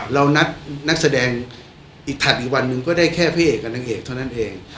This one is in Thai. เรานัดนักแสดงอีกถัดอีกวันหนึ่งก็ได้แค่พระเอกกับนางเอกเท่านั้นเอง